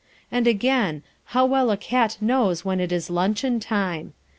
And again, how well a cat knows when it is luncheon time!